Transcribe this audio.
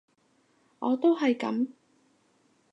我都係噉